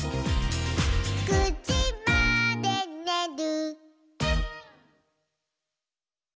「９じまでにねる」